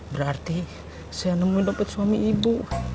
berarti saya nemuin dapat suami ibu